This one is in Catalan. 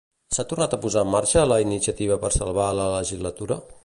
S'ha tornat a posar en marxa la iniciativa per salvar la legislatura?